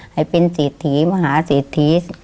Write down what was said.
ให้เป็นสิทธิมาหาสิทธิ